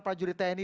pak juri tni